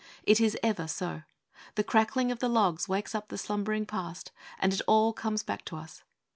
It is ever so. The crackling of the logs wakes up the slumbering Past, and it all comes back to us.